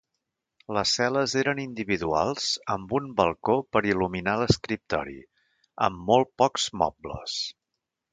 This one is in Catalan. Les cel·les eren individuals amb un balcó per il·luminar l'escriptori, amb molt pocs mobles.